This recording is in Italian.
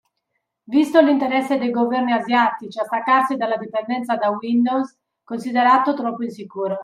Visto l'interesse dei governi asiatici a staccarsi dalla dipendenza da Windows considerato troppo insicuro.